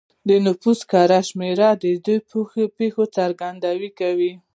د نفوس کره شمېر د دې پېښو څرګندونه کوي